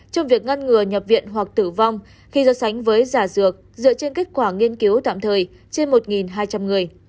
trong việc ngăn ngừa nhập viện hoặc tử vong khi so sánh với giả dược dựa trên kết quả nghiên cứu tạm thời trên một hai trăm linh người